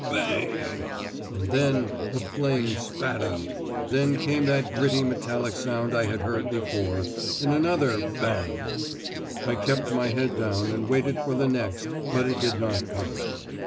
"Bang!!" and then a flame spat out; then came that gritty metallic sound I had heard before, and another "Bang!" I kept my head down and waited for the next, but it did not come.